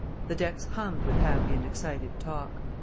The decks hummed with happy and excited talk.